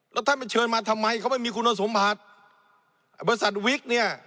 แล้วท่านมันเชิญมาทำไมเขาไม่มีคุณสมบัติบริษัทวิกเนี่ย